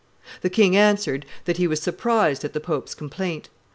The king answered that he was surprised at the pope's complaint.